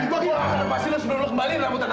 gimana sih dok rumahnya dimana